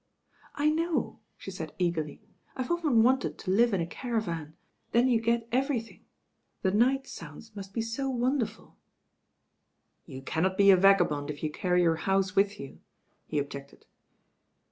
"I know," she said eagerly, "I've often wanted to live in a caravan, then you get everything. The night sounds must be so wonderful." "You cannot be a vagabond if you carry your house with you," he objected.